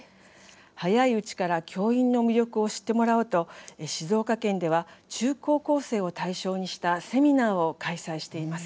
早いうちから、教員の魅力を知ってもらおうと静岡県では中高校生を対象にしたセミナーを開催しています。